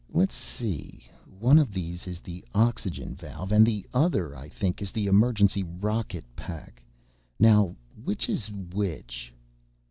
Let's see ... one of these is the oxygen valve, and the other, I think, is the emergency rocket pack ... now, which is which?"